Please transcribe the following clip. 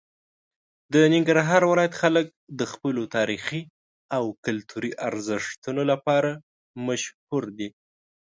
د ننګرهار ولایت خلک د خپلو تاریخي او کلتوري ارزښتونو لپاره مشهور دي.